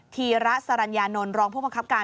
ธีรสรรญานนลรองผู้มันคับการ